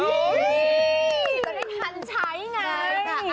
จะได้ทันใช้ไง